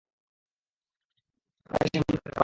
তারা তাকে সামলাতে পারবে।